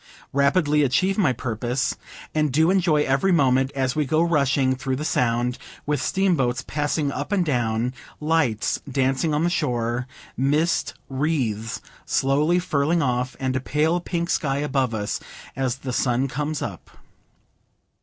Rapidly achieve my purpose, and do enjoy every moment, as we go rushing through the Sound, with steamboats passing up and down, lights dancing on the shore, mist wreaths slowly furling off, and a pale pink sky above us, as the sun comes up.